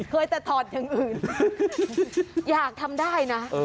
ไปเธอถอดอย่างอื่นอยากทำได้นะเออ